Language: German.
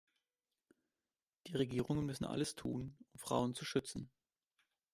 Die Regierungen müssen alles tun, um Frauen zu schützen.